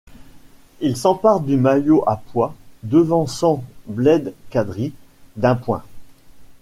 Il s'empare du maillot à pois, devançant Blel Kadri d'un point.